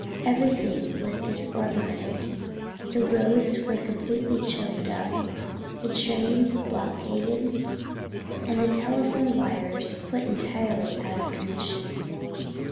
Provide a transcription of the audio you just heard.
Everything was disorganized the roads were completely choked up, the trains blockaded, and the telephone wires put entirely out of commission.